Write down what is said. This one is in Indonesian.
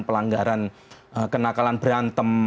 pelanggaran kenakalan berantem